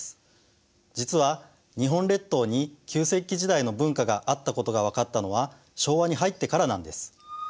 実は日本列島に旧石器時代の文化があったことが分かったのは昭和に入ってからなんです。